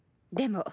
でも。